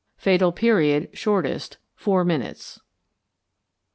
Fatal Period (Shortest). Four minutes.